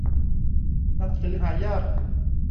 หนังสือหายาก